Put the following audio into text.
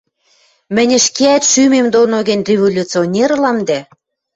Мӹнь ӹшкеӓт шӱмем доно гӹнь революционер ылам дӓ...